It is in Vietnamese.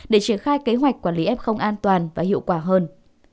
để triển khai kế hoạch quản lý f an toàn và hiệu quả hơn